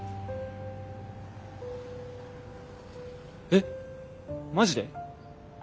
えっマジで？